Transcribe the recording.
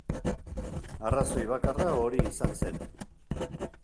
Arrazoi bakarra hori izan zen.